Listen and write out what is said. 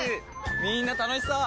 みんな楽しそう！